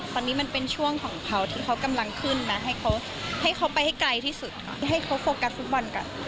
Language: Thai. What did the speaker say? แต่ตอนนี้มันเป็นช่วงของเขาที่เขากำลังขึ้นพวกเขาให้โฟกัสฟลุกบอลกัน